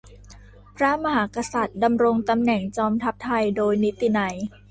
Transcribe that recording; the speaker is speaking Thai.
พระมหากษัตริย์ดำรงตำแหน่งจอมทัพไทยโดยนิตินัย